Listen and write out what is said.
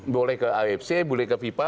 boleh ke afc boleh ke fifa